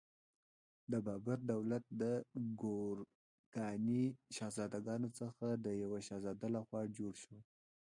د بابر دولت د ګورکاني شهزادګانو څخه د یوه شهزاده لخوا جوړ شو.